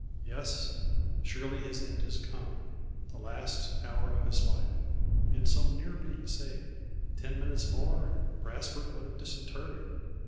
Yes; surely his end has come the last hour of his life. And so near being saved! Ten minutes more, and Brasfort would have disinterred him.